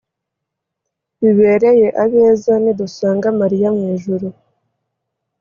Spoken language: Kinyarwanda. bibereye abeza, nidusanga mariya mu ijuru